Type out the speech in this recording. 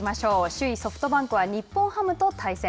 首位ソフトバンクは日本ハムと対戦。